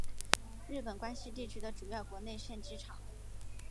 日本关西地区的主要国内线机场。